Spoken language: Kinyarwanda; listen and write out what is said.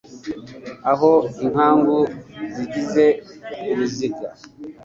aho inkangu zigize uruziga